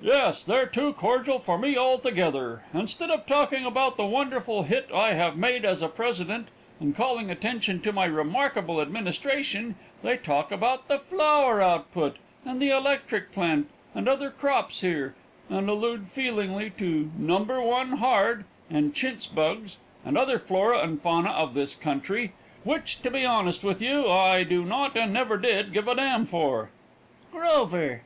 "Yes, they're too cordial for me altogether. Instead of talking about the wonderful hit I have made as a president and calling attention to my remarkable administration, they talk about the flour output and the electric plant and other crops here, and allude feelingly to 'number one hard' and chintz bugs and other flora and fauna of this country, which, to be honest with you, I do not and never did give a damn for." "Grover!"